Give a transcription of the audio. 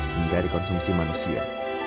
tidak dikonsumsi manusia